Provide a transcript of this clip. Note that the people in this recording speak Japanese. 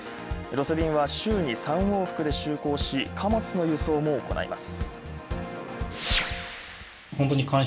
ロス便は週に３往復で就航し、貨物の輸送も行います。